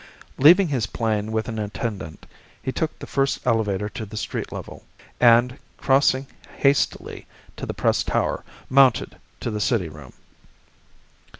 Leaving his plane with an attendant, he took the first elevator to the street level, and crossing hastily to the Press tower, mounted to the city room.